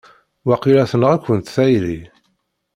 Waqila tenɣa-kent tayri!